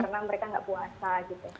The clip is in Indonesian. karena mereka nggak puasa gitu